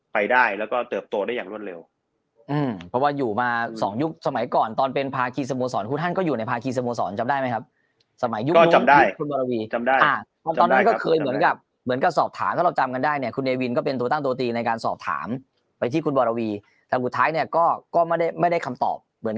เพราะว่าอยู่มาสองยุคสมัยก่อนตอนเป็นภาคีสโมสรคุณฮั่นก็อยู่ในภาคีสโมสรจำได้ไหมครับสมัยยุคก็จำได้คุณบารวีจำได้ตอนนั้นก็เคยเหมือนกับเหมือนกับสอบถามถ้าเราจำกันได้เนี้ยคุณเนวินก็เป็นตัวตั้งตัวตีในการสอบถามไปที่คุณบารวีแล้วอุดท้ายเนี้ยก็ก็ไม่ได้ไม่ได้คำตอบเหมื